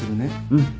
うん。